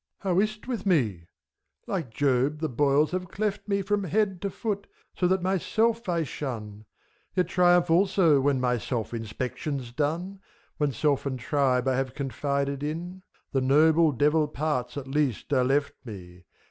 MEPHISTOPHELES {collecting himself). How is 't with me ?— ^Like Job, the boils have cleft me From head to foot, so that myself I shun ; Yet triumph also, when my self inspection's done, — When self and tribe I have confided in. The noble Devil parts, at least, are left me!